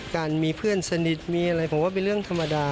การมีเพื่อนสนิทมีอะไรมีเรื่องธรรมดา